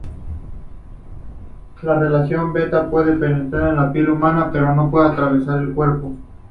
La radiación beta puede penetrar la piel humana pero no puede atravesar el cuerpo.